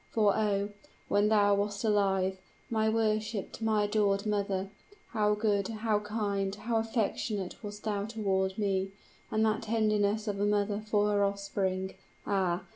For, oh! when thou wast alive, my worshiped, my adored mother, how good, how kind, how affectionate wast thou toward me. And that tenderness of a mother for her offspring, ah!